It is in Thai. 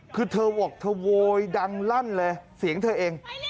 คือเธอบอกเธอโวยดังลั่นเลยเสียงเธอเอง